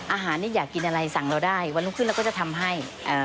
อาหารนี่อยากกินอะไรสั่งเราได้วันรุ่งขึ้นเราก็จะทำให้เอ่อ